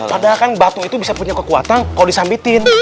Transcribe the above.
padahal kan batu itu bisa punya kekuatan kalau disambitin